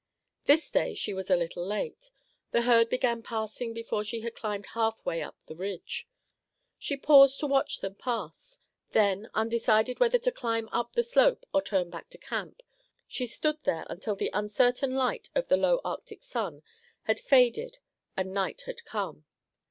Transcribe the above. This day she was a little late. The herd began passing before she had climbed half way up the ridge. She paused to watch them pass. Then, undecided whether to climb on up the slope or turn back to camp, she stood there until the uncertain light of the low Arctic sun had faded and night had come.